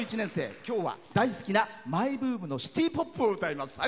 今日は大好きなマイブームのシティーポップを歌います。